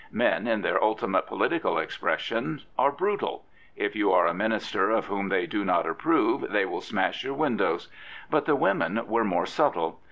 Men in their ultimate political expression are brutal. If you are a Minister of whom they do not approve they will smash your windows. But the women were more subtle.